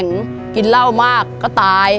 ลูกอีกคนนึงก็เป็นตับแข่งกินเหล้ามากก็ตาย